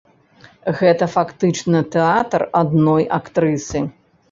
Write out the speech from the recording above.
Гэта фактычна тэатр адной актрысы.